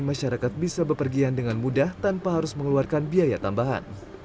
masyarakat bisa berpergian dengan mudah tanpa harus mengeluarkan biaya tambahan